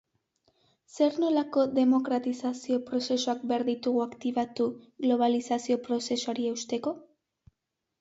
Zer nolako demokratizazio prozesuak behar ditugu aktibatu globalizazio prozesuari eusteko?